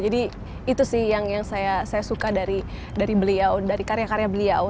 jadi itu sih yang saya suka dari beliau dari karya karya beliau